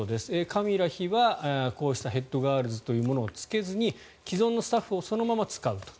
カミラ王妃はこうしたヘッドガールズというものをつけずに既存のスタッフをそのまま使うと。